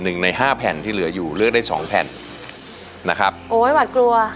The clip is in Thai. หนึ่งในห้าแผ่นที่เหลืออยู่เลือกได้สองแผ่นนะครับโอ้ยหวัดกลัว